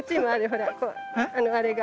ほらあれが。